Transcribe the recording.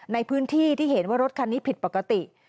ในพื้นที่ที่เห็นว่ารถคันนี้ผิดปกติ